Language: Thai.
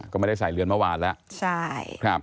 ก็ไม่ได้ใส่เรือนเมื่อวานแล้ว